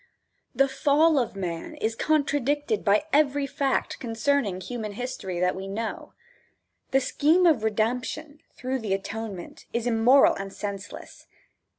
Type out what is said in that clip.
The fall of man is contradicted by every fact concerning human history that we know. The scheme of redemption through the atonement is immoral and senseless.